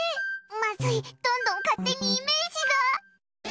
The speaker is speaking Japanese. まずいどんどん勝手にイメージが。